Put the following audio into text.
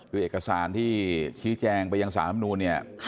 คือเอกสารที่ชี้แจงไปยังสารธรรมนูนเนี่ย